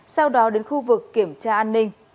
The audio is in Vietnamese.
sau đó đến khu vực kiểm tra an ninh